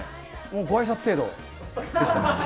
ごあいさつ程度？